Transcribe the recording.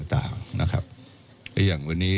แล้วถ้าคุณชุวิตไม่ออกมาเป็นเรื่องกลุ่มมาเฟียร์จีน